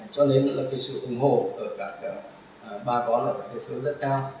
cho nên là sự ủng hộ của các ba có là các địa phương rất cao